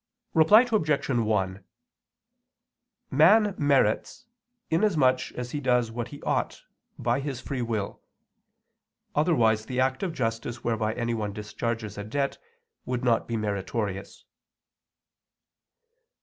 Reply Obj. 1: Man merits, inasmuch as he does what he ought, by his free will; otherwise the act of justice whereby anyone discharges a debt would not be meritorious.